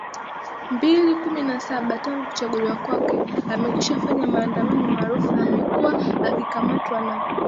Mbili kumi na saba Tangu kuchaguliwa kwake amekwishafanya maandamano maarufu na amekuwa akikamatwa na